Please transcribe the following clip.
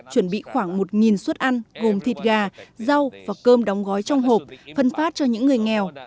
chuẩn bị khoảng một suất ăn gồm thịt gà rau và cơm đóng gói trong hộp phân phát cho những người nghèo